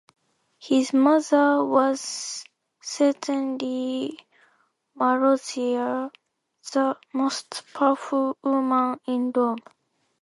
His mother was certainly Marozia, the most powerful woman in Rome.